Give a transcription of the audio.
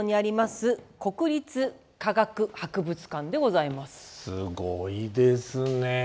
すごいですねえ。